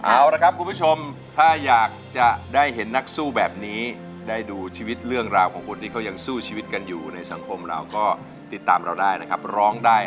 เอาละครับคุณผู้ชมถ้าอยากจะได้เห็นนักสู้แบบนี้ได้ดูชีวิตเรื่องราวของคนที่เขายังสู้ชีวิตกันอยู่ในสังคมเราก็ติดตามเราได้นะครับร้องได้